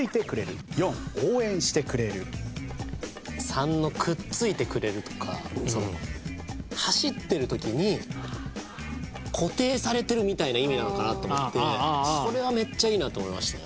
３の「くっついてくれる」とか走ってる時に固定されてるみたいな意味なのかなと思ってそれはめっちゃいいなと思いましたね。